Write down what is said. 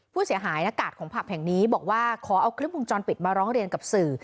ผู้เสียหายหน้ากากของผับแห่งนี้บอกว่าขอเอาคลิปวงจรปิดมาร้องเรียนกับสื่อ